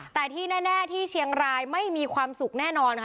แต่ที่แน่ที่เชียงรายไม่มีความสุขแน่นอนค่ะ